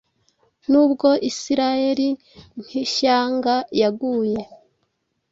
Nubwo Isirayeli nk’ishyanga yaguye,